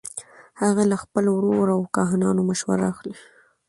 هغه له خپل ورور او کاهنانو مشوره اخلي.